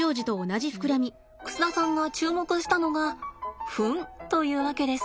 で楠田さんが注目したのがフンというわけです。